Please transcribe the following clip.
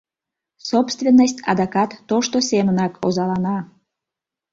«Собственность» адакат тошто семынак озалана...